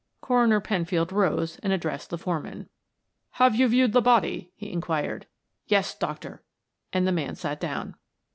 Coroner Penfield rose and addressed the foreman. "Have you viewed the body?" he inquired. "Yes, doctor," and the man sat down.